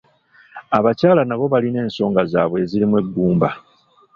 Abakyala n’abo balina ensonga zaabwe ezirimu eggumba.